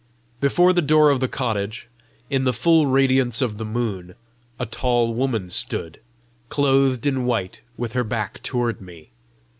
Before the door of the cottage, in the full radiance of the moon, a tall woman stood, clothed in white, with her back toward me.